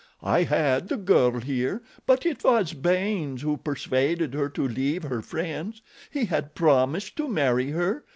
I had the girl here; but it was Baynes who persuaded her to leave her friends—he had promised to marry her.